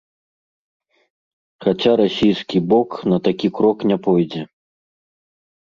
Хаця расійскі бок на такі крок не пойдзе.